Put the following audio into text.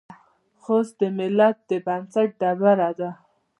خوست د ملت د بنسټ ډبره ده.